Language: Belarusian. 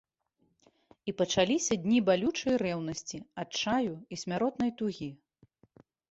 І пачаліся дні балючай рэўнасці, адчаю і смяротнай тугі.